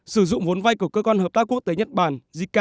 sử dụng vốn vai của cơ quan hợp tác quốc tế nhật bản